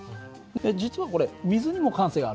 実はこれ水にも慣性があるからね。